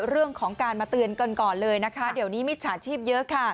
เรื่องของการมาเตือนกันก่อนเลยนะคะเดี๋ยวนี้มิจฉาชีพเยอะค่ะ